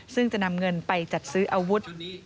ซึ่งจะนำเงินไปจัดซื้ออาวุธ